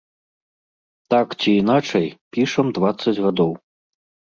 Так ці іначай, пішам дваццаць гадоў.